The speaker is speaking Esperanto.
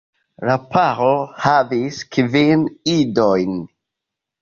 La paro havis kvin idojn.